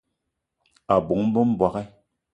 O bóng-be m'bogué!